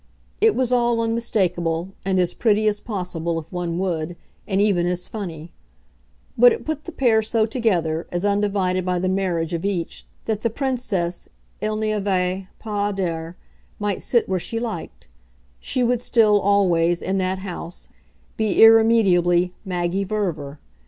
It was all unmistakable, and as pretty as possible, if one would, and even as funny; but it put the pair so together, as undivided by the marriage of each, that the Princess il n'y avait pas a dire might sit where she liked: she would still, always, in that house, be irremediably Maggie Verver.